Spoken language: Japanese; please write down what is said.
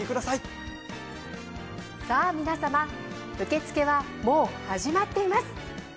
さあ皆様受け付けはもう始まっています。